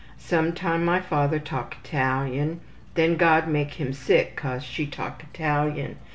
Sometime my father talk Italian. Then God make him sick cause she talk Italian.